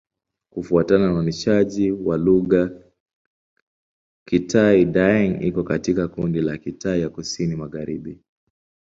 Kufuatana na uainishaji wa lugha, Kitai-Daeng iko katika kundi la Kitai ya Kusini-Magharibi.